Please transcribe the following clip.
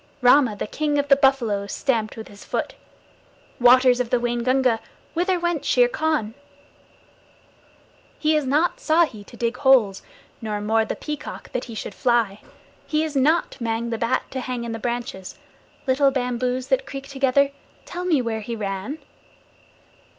Rama, the King of the Buffaloes, stamped with his foot. Waters of the Waingunga, whither went Shere Khan? He is not Ikki to dig holes, nor Mao, the Peacock, that he should fly. He is not Mang the Bat, to hang in the branches. Little bamboos that creak together, tell me where he ran?